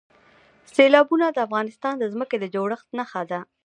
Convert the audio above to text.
سیلابونه د افغانستان د ځمکې د جوړښت نښه ده.